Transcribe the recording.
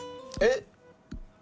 えっ！